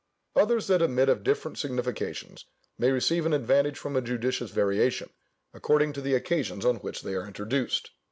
Others that admit of different significations, may receive an advantage from a judicious variation, according to the occasions on which they are introduced.